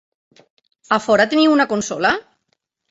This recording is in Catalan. A fora teniu una consola?